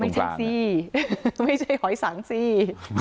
ไม่ใช่สิไม่ใช่หอยสังสิ